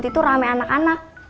tante puput itu rame anak anak